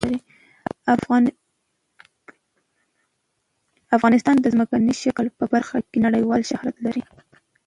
افغانستان د ځمکنی شکل په برخه کې نړیوال شهرت لري.